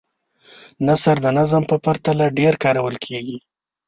نثر د نظم په پرتله ډېر کارول کیږي.